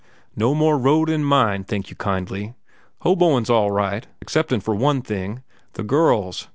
"No more road in mine, thank you kindly. Hoboin's all right, exceptin' for one thing—the girls.